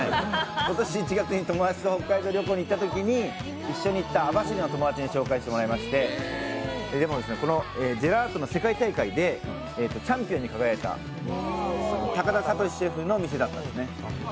今年１月に友達と一緒に北海道旅行に行ったときに網走の友達に紹介してもらったものでジェラートの世界大会でチャンピオンに輝いた高田聡シェフの店だったんです。